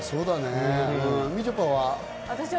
みちょぱは？